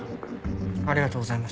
ありがとうございます。